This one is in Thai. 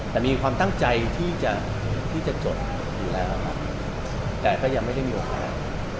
แต่มีความตั้งใจที่จะจดอยู่แล้วครับแต่ก็ยังไม่ได้มีโอกาส